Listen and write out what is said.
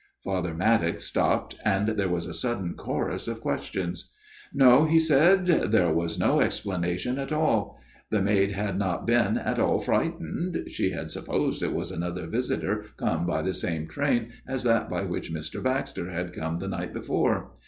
' Father Maddox stopped, and there was a sudden chorus of questions. " No," he said, " there was no explanation at all. The maid had not been at all frightened ; she had supposed it was another visitor come by the same train as that by which Mr. Baxter had come the night before.